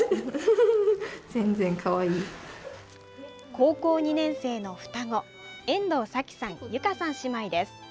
高校２年生の双子遠藤紗希さん、侑香さん姉妹です。